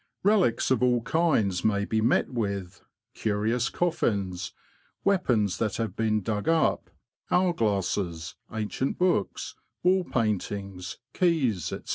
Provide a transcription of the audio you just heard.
Relics of all kinds may be met with — curious coffins_, weapons that have been dug up, hour glasses, ancient books, wall paintings, keys, &c.